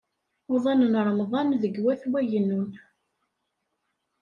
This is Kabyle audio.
Uḍan n Remḍan deg Wat Wagennun.